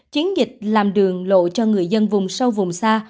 chiến dịch làm đường lộ cho người dân vùng sâu vùng xa